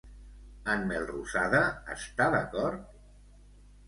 En Melrosada està d'acord?